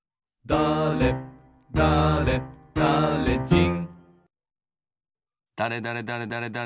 「だれだれだれじん」